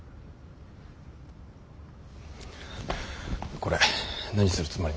これ何するつもりなんだ。